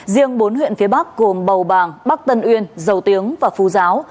riêng bốn huyện phía bắc gồm bầu bàng bắc tân uyên dầu tiếng và phu giáo